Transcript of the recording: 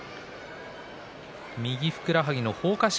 右ふくらはぎのほうか織